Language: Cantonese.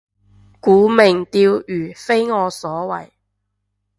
沽名釣譽非我所為